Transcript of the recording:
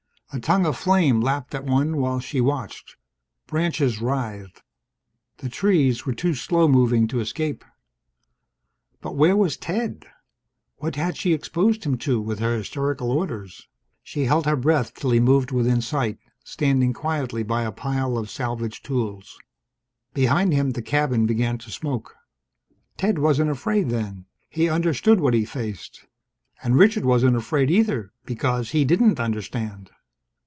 A tongue of flame lapped at one while she watched. Branches writhed. The trees were too slow moving to escape ... But where was Ted? What had she exposed him to, with her hysterical orders? She held her breath till he moved within sight, standing quietly by a pile of salvaged tools. Behind him the cabin began to smoke. Ted wasn't afraid, then. He understood what he faced. And Richard wasn't afraid, either, because he didn't understand.